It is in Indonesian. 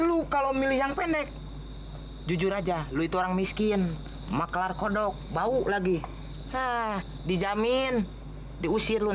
lu kalau milih yang pendek jujur aja lu itu orang miskin maklar kodok bau lagi dijamin diusir lu